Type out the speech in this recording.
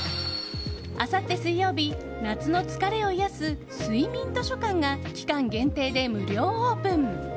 あさって水曜日夏の疲れを癒やす睡眠図書館が期間限定で無料オープン。